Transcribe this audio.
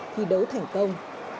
thi đấu thành công